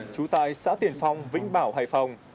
chú tại xã tiền phong vĩnh bảo hải phòng